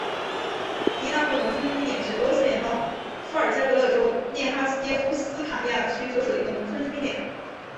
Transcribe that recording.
狄纳莫农村居民点是俄罗斯联邦伏尔加格勒州涅哈耶夫斯卡亚区所属的一个农村居民点。